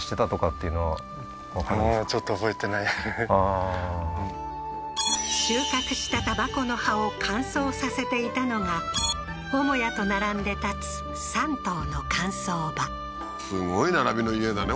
ああー収穫したタバコの葉を乾燥させていたのが母屋と並んで建つ３棟の乾燥場すごい並びの家だね